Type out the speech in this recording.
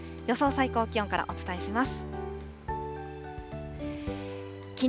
最高気温からお伝えします。